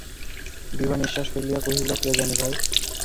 বিভা নিশ্বাস ফেলিয়া কহিল, কে জানে ভাই।